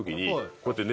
こうやって。